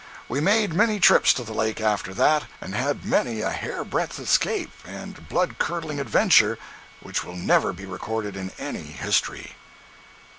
We made many trips to the lake after that, and had many a hair breadth escape and blood curdling adventure which will never be recorded in any history.